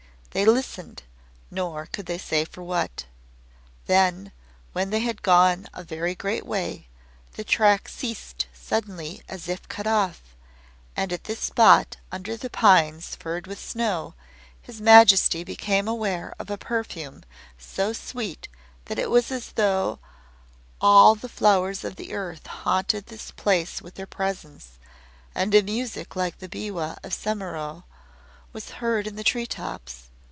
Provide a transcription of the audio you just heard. They listened, nor could they say for what. Then, when they had gone a very great way, the track ceased suddenly, as if cut off, and at this spot, under the pines furred with snow, His Majesty became aware of a perfume so sweet that it was as though all the flowers of the earth haunted the place with their presence, and a music like the biwa of Semimaru was heard in the tree tops.